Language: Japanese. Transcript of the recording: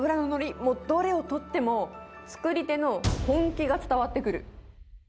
もうどれを取っても、作り手の本気が伝わってくる。